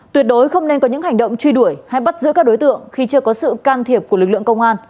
tuyệt đối không nên có những hành động truy đuổi hay bắt giữ các đối tượng khi chưa có sự can thiệp của lực lượng công an